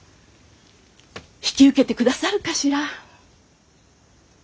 引き受けてくださるかしら？